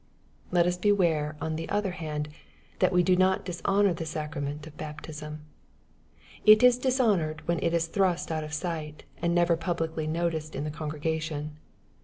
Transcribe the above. Let us beware on the other hand, that we do not dis" honor the sacrament of baptism. It is dishonored when it is thrust out of sight, and never publicly noticed in the congregation.